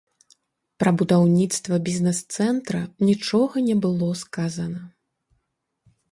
Пра будаўніцтва бізнес-цэнтра нічога не было сказана.